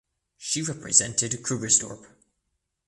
She represented Krugersdorp.